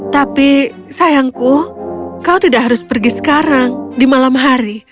tapi sayangku kau tidak harus pergi sekarang di malam hari